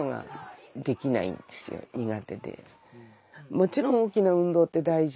もちろん大きな運動って大事。